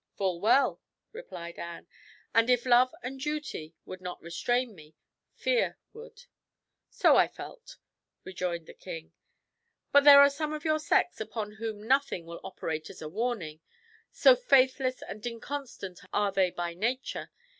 "Full well," replied Anne; "and if love and duty would not restrain me, fear would." "So I felt," rejoined the king; "but there are some of your sex upon whom nothing will operate as a warning so faithless and inconstant are they by nature.